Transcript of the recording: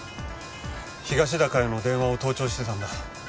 東田加代の電話を盗聴してたんだ。